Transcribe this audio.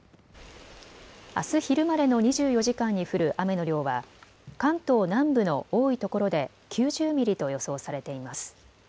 あす昼までの２４時間に降る雨の量は関東南部の多いところで９０ミリと予想されています。